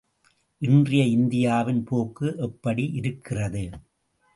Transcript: இன்றைய இந்தியாவின் போக்கு எப்படி இருக்கிறது?